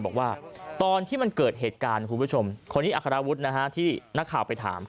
บอกว่าตอนที่มันเกิดเหตุการณ์คุณผู้ชมคนนี้อัคราวุฒิที่นักข่าวไปถาม